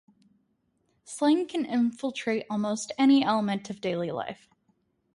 Slang can infiltrate almost any element of daily life.